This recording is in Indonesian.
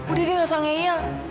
udah deh ngasal ngeyal